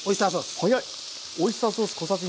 早い！